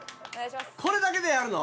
これだけでやるの？